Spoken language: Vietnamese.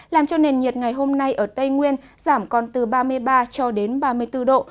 làm cho nền nhiệt ngày hôm nay ở tây nguyên giảm còn từ ba mươi ba cho đến ba mươi bốn độ